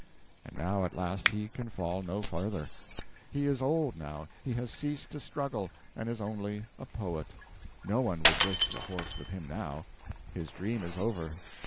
And now at last he can fall no further. He is old now, he has ceased to struggle, and is only a poet. No one would risk a horse with him now. His dream is over.